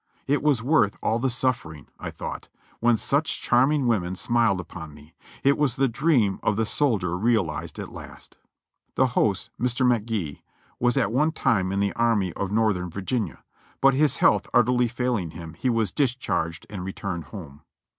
"It was worth all the suffering," I thought, "when such charming women smiled upon me ; it was the dream of the sol dier realized at last." The host, Mr. jVIcGee, was at one time in the Army of North ern Virginia, but his health utterly failing him he was discharged and returned home.